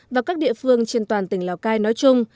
và các địa phương trên toàn tỉnh lào cai nói chung